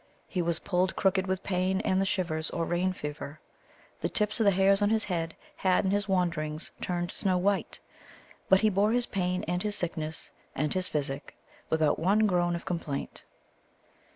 He was pulled crooked with pain and the shivers, or rain fever. The tips of the hairs on his head had in his wanderings turned snow white. But he bore his pain and his sickness (and his physic) without one groan of complaint.